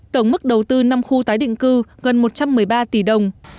tổng mức đầu tư năm khu tái định cư gần một trăm một mươi ba tỷ đồng